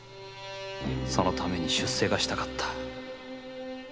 そのために出世がしたかった